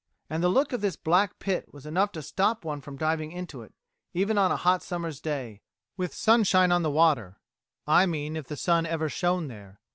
. and the look of this black pit was enough to stop one from diving into it, even on a hot summer's day, with sunshine on the water; I mean if the sun ever shone there.